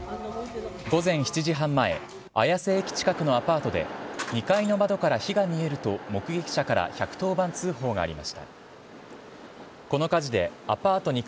午前７時半前綾瀬駅近くのアパートで２階の窓から火が見えると目撃者からでは、お天気です。